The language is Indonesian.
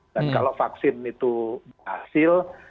dan kalau vaksin itu berhasil